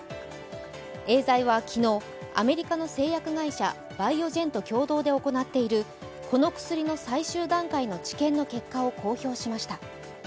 エーザイは昨日、アメリカの製薬会社・バイオジェンと共同で行っているこの薬の最終段階の治験の結果を公表しました。